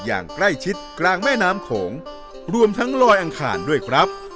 อย่างใกล้ชิดกลางแม่น้ำโขงรวมทั้งลอยอังคารด้วยครับ